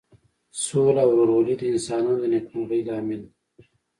سوله او ورورولي د انسانانو د نیکمرغۍ لامل ده.